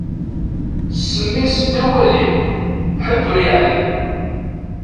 Ssem-is ddaw walim, ḥedd ur yeɛlim.